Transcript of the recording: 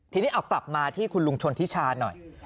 ทีนี้เอากลับมาที่คุณลุงชนทิชาหน่อย